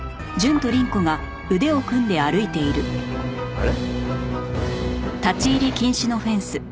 あれ？